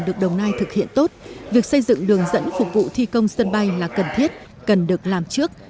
được đồng nai thực hiện tốt việc xây dựng đường dẫn phục vụ thi công sân bay là cần thiết cần được làm trước